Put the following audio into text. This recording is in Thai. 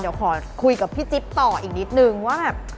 เดี๋ยวขอคุยกับพี่จิ๊บต่ออีกนิดนึงว่าแบบ